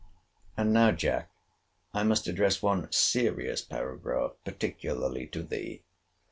And now, Jack, I must address one serious paragraph particularly to thee.